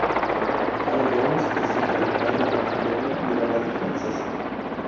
Aya Jones es hija de un padre marfileño y una madre francesa.